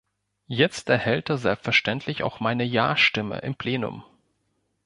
Jetzt erhält er selbstverständlich auch meine Ja-Stimme im Plenum.